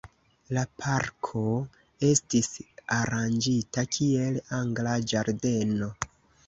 La parko estis aranĝita kiel angla ĝardeno.